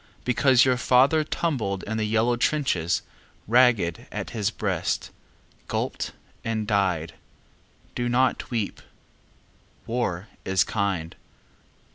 Because your father tumbled in the yellow trenches, Raged at his breast, gulped and died, Do not weep. War is kind.